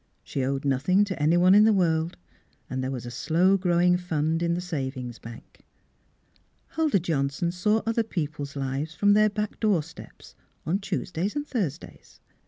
She owed nothing to anyone in the world, and there was a slow growing fund in the savings bank. Huldah Johnson saw other people's lives from their back door steps, on Tues days and Thursdays.